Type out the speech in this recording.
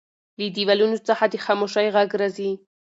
له دیوالونو څخه د خاموشۍ غږ راځي.